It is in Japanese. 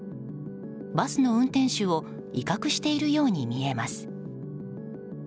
バスの運転手を威嚇しているように見えます。